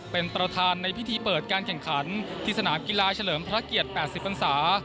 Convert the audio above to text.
เป็นประธานในพิธีเปิดการแข่งขันที่สนามกีฬาเฉลิมพระเกียรติ๘๐พันศา